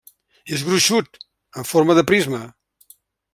És gruixut, en forma de prisma.